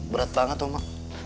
berat banget ma